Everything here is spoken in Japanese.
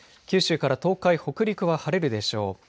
九州から東海、北陸は晴れるでしょう。